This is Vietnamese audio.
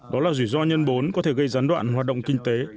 đó là rủi ro nhân bốn có thể gây gián đoạn hoạt động kinh tế